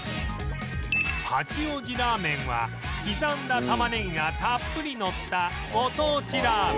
八王子ラーメンは刻んだ玉ネギがたっぷりのったご当地ラーメン